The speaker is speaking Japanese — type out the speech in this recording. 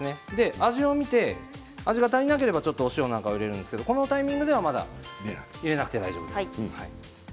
味を見て味が足りなければ塩なんかを入れますけれどこのタイミングでは入れなくて大丈夫です。